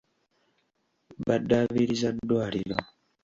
Baddaabiriza ddwaliro.